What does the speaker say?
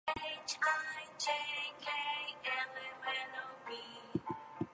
Kelly can also use the elevator to between levels.